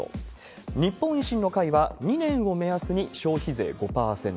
日本維新の会は、２年を目安に消費税５％。